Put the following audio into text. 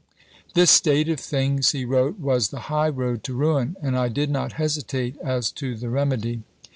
"This state of things," he wi'ote, "was the high road to ruin, and I did not hesitate as to the rem edy."